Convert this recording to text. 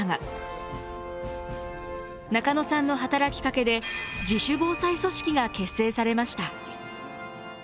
中野さんの働きかけで自主防災組織が結成されました。